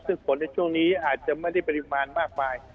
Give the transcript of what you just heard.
ซึ่งฝนในช่วงนี้อาจจะไม่ได้ปริมาณมากมาย